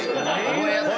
覚えやすい。